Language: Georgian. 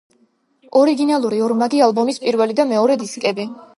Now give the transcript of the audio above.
ორიგინალური ორმაგი ალბომის პირველი და მეორე დისკები.